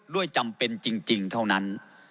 จำเป็นจริงเท่านั้น